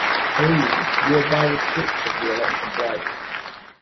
Helene, you are by the switch of the electric light.